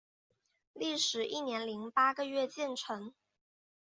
历时一年零八个月建成。